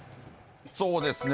そうですね。